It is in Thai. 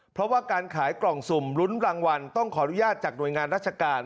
เพราะว่าการขายกล่องสุ่มลุ้นรางวัลต้องขออนุญาตจากหน่วยงานราชการ